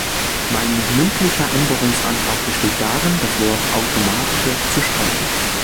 Mein mündlicher Änderungsantrag besteht darin, das Wort "automatische" zu streichen.